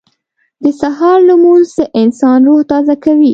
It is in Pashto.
• د سهار لمونځ د انسان روح تازه کوي.